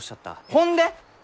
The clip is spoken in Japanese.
ほんで！？